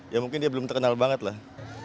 ya mungkin dia belum terkenal banget lah